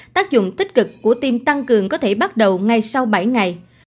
tác dụng tích cực của tim tăng cường có thể bắt đầu ngay sau bảy ngày